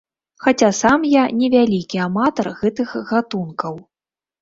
Хаця сам я не вялікі аматар гэтых гатункаў.